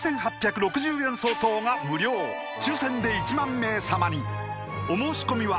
４８６０円相当が無料抽選で１万名様にお申し込みは